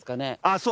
そう。